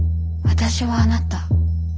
私はあなた。